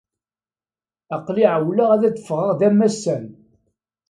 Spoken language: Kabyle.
Aql-i ɛewwleɣ-d ad d-ffɣeɣ d amassan.